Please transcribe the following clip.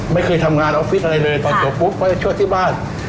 ไม่เคยทำงานออฟฟิศอะไรเลยตอนจบปุ๊บก็จะช่วยที่บ้าน